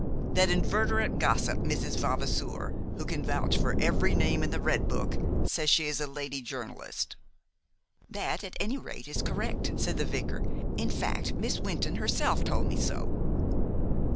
"That inveterate gossip, Mrs. Vavasour, who can vouch for every name in the Red Book, says she is a lady journalist." "That, at any rate, is correct," said the vicar. "In fact, Miss Wynton herself told me so."